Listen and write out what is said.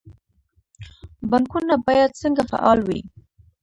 بانکونه باید څنګه فعال وي؟